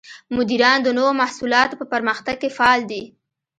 مدیران د نوو محصولاتو په پرمختګ کې فعال دي.